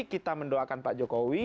kita mendoakan pak jokowi